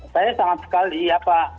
saya sangat sekali ya pak